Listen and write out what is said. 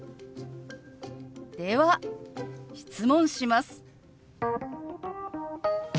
では質問します。